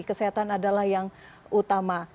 kesehatan adalah yang utama